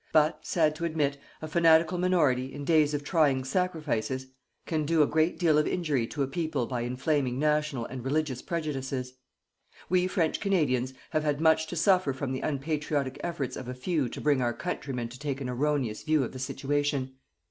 But, sad to admit, a fanatical minority, in days of trying sacrifices, can do a great deal of injury to a people by inflaming national and religious prejudices. We, French Canadians, have had much to suffer from the unpatriotic efforts of a few to bring our countrymen to take an erroneous view of the situation.